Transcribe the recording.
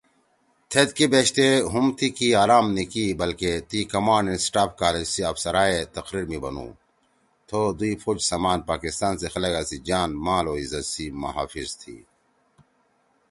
تھید کے بیشتے ہُم تی کی اَرام نی کی بلکہ تی کمانڈ اینڈ اسٹاف کالج سی آفسرائے تقریر می بنُو، ”تھو دُوئی فوج سمان پاکستان سی خلگا سی جان، مال او عزت سی محافظ تِھی“